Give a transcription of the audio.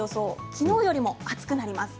きのうよりも暑くなります。